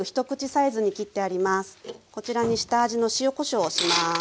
こちらに下味の塩こしょうをします。